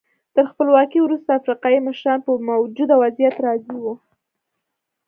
تر خپلواکۍ وروسته افریقایي مشران په موجوده وضعیت راضي وو.